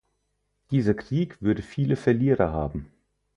Dieser Krieg würde viele Verlierer haben.